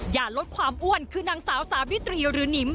อย่าลดความอ้วนคือนางสาวสาวิตรีหรือนิม